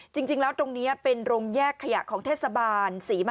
จริงแล้วตรงนี้เมือย่างขยะของเทศบาล